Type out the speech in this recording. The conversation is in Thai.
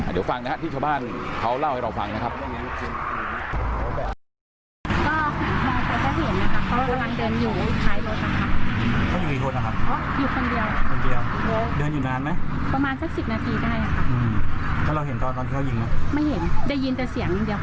เดี๋ยวฟังนะครับที่ชาวบ้านเขาเล่าให้เราฟังนะครับ